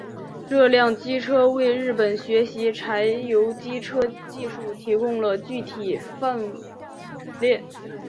这两种机车为日本学习柴油机车技术提供了具体范例。